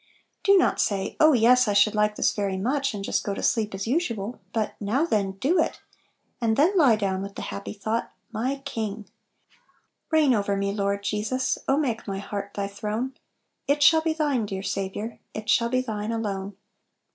Do not say, "Oh yes, I should like this very much 1 " and just go to sleep as usual; but "now then do it!" and then lie down with the happy thought, "MyKingl" << Beign over me, Lord Jesus t Oh make my heart Thy throne ! It shall be Thine, dear Saviour, It shall be Thine alone.